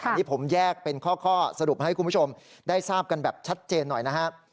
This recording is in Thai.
อันนี้ผมแยกเป็นข้อสรุปให้คุณผู้ชมได้ทราบกันแบบชัดเจนหน่อยนะครับ